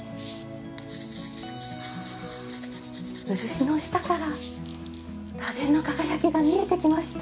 漆の下から螺鈿の輝きが見えてきました。